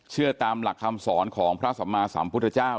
เชื่อตามหลักคำสอนของพระสัมมาสัมพุทธเจ้า